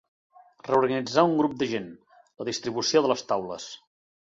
Reorganitzar un grup de gent, la distribució de les taules.